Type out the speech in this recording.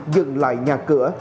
dừng lại nhà cửa